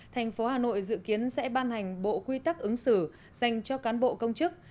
thành phố hà nội dự kiến sẽ ban hành bộ quy tắc ứng xử dành cho cán bộ công chức